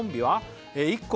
はい！